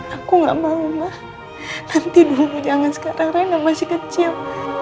aku gak mau ma nanti dulu jangan sekarang reina masih kecil